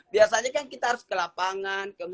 biasanya kan kita harus ke lapangan